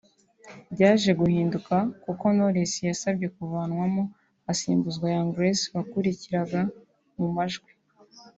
byaje guhinduka kuko Knowless yasabye kuvanwamo asimbuzwa Young Grace wakurikiraga mu majwi